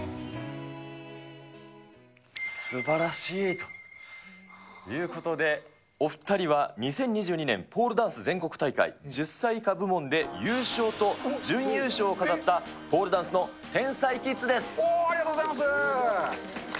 すばらしいということで、お２人は２０２２年、ポールダンス全国大会１０歳以下部門で優勝と準優勝を飾ったポーありがとうございます。